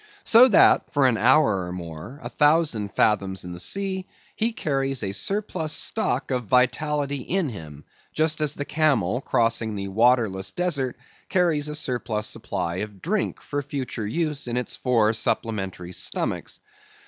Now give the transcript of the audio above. So that for an hour or more, a thousand fathoms in the sea, he carries a surplus stock of vitality in him, just as the camel crossing the waterless desert carries a surplus supply of drink for future use in its four supplementary stomachs.